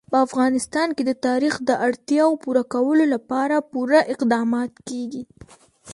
په افغانستان کې د تاریخ د اړتیاوو پوره کولو لپاره پوره اقدامات کېږي.